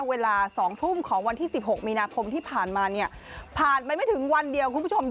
เวลา๒ทุ่มของวันที่๑๖มีนาคมที่ผ่านมานี่